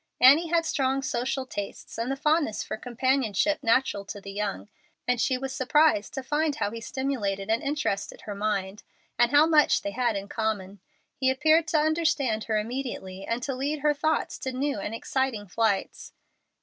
Annie had strong social tastes and the fondness for companionship natural to the young, and she was surprised to find how he stimulated and interested her mind, and how much they had in common. He appeared to understand her immediately, and to lead her thoughts to new and exciting flights.